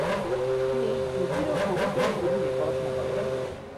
তিনি জুজিরো কোমোতোর অধীনে পড়াশোনা করেন।